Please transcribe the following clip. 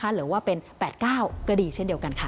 หรือว่าเป็น๘๙ก็ดีเช่นเดียวกันค่ะ